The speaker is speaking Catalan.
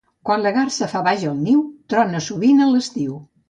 Quan la garsa fa baix el niu, trona sovint a l'estiu.